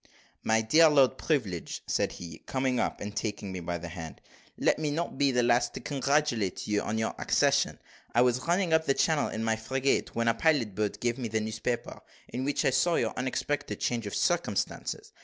"My dear Lord Privilege," said he, coming up and taking me by the hand, "let me not be the last to congratulate you upon your accession. I was running up the channel in my frigate, when a pilot boat gave me the newspaper, in which I saw your unexpected change of circumstances.